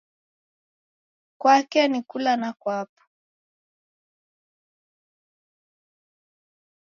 Kwake ni kula na kwapo